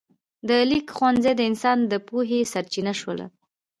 د لیک ښوونځي د انسان د پوهې سرچینه شول.